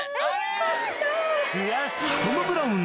「トム・ブラウン」